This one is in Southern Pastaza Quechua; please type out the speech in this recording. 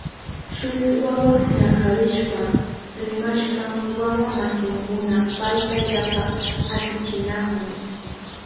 Shuk wawa ñakarishpa rimashpan wawa masinkuna payta yapa asichinahun.